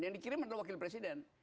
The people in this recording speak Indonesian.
yang dikirim adalah wakil presiden